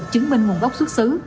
chứng minh nguồn gốc xuất xứ